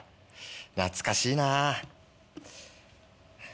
懐かしいなぁ。